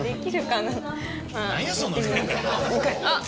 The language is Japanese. あっ！